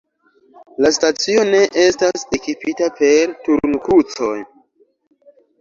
La stacio ne estas ekipita per turnkrucoj.